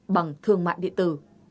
bằng thương mại điện tử